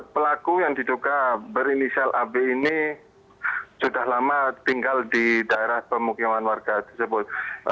pelaku yang diduga berinisial ab ini sudah lama tinggal di daerah pemukiman warga tersebut